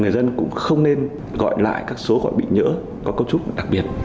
người dân cũng không nên gọi lại các số gọi bị nhỡ có cấu trúc đặc biệt